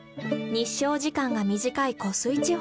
日照時間が短い湖水地方。